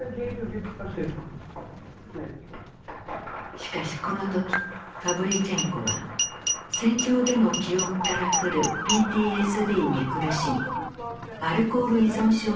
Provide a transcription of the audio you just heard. しかしこの時パヴリチェンコは戦場での記憶から来るＰＴＳＤに苦しみアルコール依存症に陥っていた。